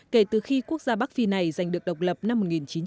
kể từ khi quốc gia bắc phi này giành được độc lập năm một nghìn chín trăm bảy mươi